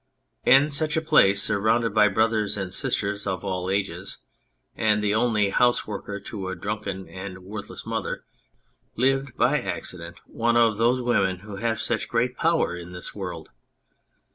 In such a place, surrounded by brothers and sisters of all ages, and the only houseworker to a drunken and worthless mother, lived, by accident, one of those women who have such great power in this world.